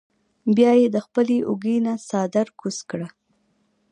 بیا ئې د خپلې اوږې نه څادر کوز کړۀ ـ